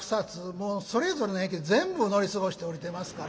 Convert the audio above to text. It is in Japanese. もうそれぞれの駅全部乗り過ごして降りてますからね。